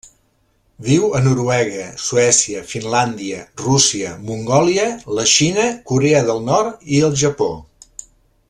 Viu a Noruega, Suècia, Finlàndia, Rússia, Mongòlia, la Xina, Corea del Nord i el Japó.